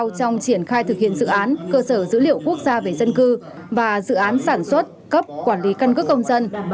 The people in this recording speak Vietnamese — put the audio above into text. trong triển khai thực hiện dự án cơ sở dữ liệu quốc gia về dân cư và dự án sản xuất cấp quản lý căn cước công dân